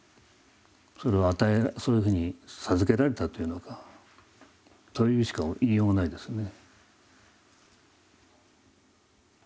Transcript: それはそういうふうに授けられたというのかというしか言いようがないですね。